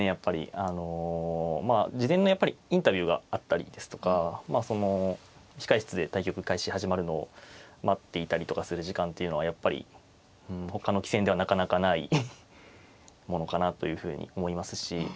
あの事前のやっぱりインタビューがあったりですとかまあその控え室で対局開始始まるのを待っていたりとかする時間っていうのはやっぱりほかの棋戦ではなかなかないものかなというふうに思いますしやはり